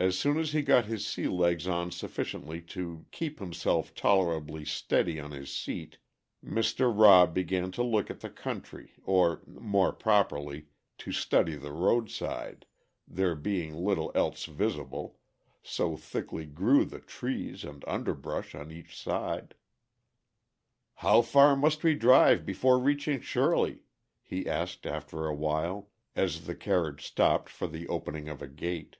As soon as he got his sea legs on sufficiently to keep himself tolerably steady on his seat, Mr. Rob began to look at the country or, more properly, to study the road side, there being little else visible, so thickly grew the trees and underbrush on each side. "How far must we drive before reaching Shirley?" he asked after awhile, as the carriage stopped for the opening of a gate.